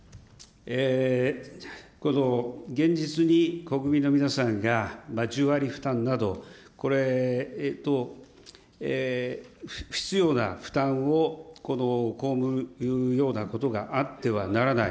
現実に国民の皆さんが、１０割負担など、これと、不必要な被るようなことがあってはならない。